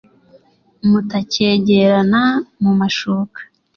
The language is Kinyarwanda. Mutakegerana mumashuka